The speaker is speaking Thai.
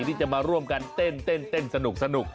ที่จะมาร่วมกันเต้นสนุก